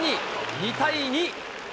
２対２。